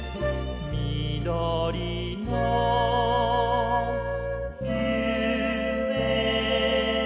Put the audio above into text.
「みどりのゆめを」